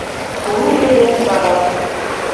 Лудо ден вараш